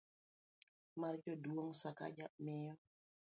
mar Jaduong' Sakaja, miyo